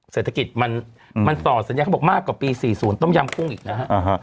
เศรษฐกิจมันต่อสัญญาเขาบอกมากกว่าปี๔๐ต้มยำกุ้งอีกนะฮะ